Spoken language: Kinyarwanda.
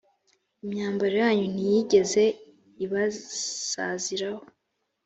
imyambaro yanyu ntiyigeze ibasaziraho,